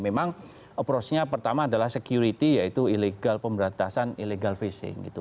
memang approach nya pertama adalah security yaitu ilegal pemberantasan illegal fishing gitu